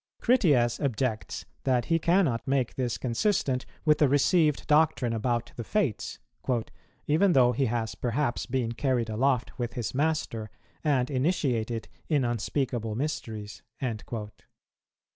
Critias objects that he cannot make this consistent with the received doctrine about the Fates, "even though he has perhaps been carried aloft with his master, and initiated in unspeakable mysteries."